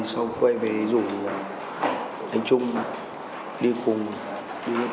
trong năm hai nghìn ba văn đinh tiến trung sinh năm hai nghìn tám